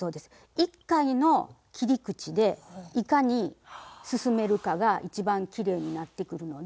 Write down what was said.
一回の切り口でいかに進めるかが一番きれいになってくるので。